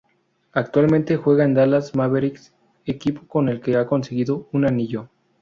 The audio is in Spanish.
Actualmente juega en Dallas Mavericks, equipo con el que ha conseguido un anillo.